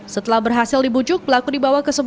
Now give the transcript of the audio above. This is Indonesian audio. setelah berhasil dibujuk pelaku dibawa ke sebuah